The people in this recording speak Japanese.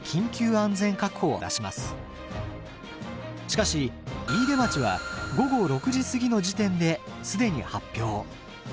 しかし飯豊町は午後６時すぎの時点で既に発表。